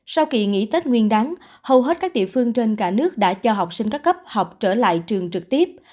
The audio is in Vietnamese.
sau kỳ nghỉ tết nguyên đáng hầu hết các địa phương trên cả nước đã cho học sinh các cấp học trở lại trường trực tiếp